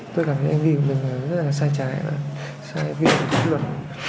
tôi cảm thấy hành vi của mình rất là sai trái và sai viên của pháp luật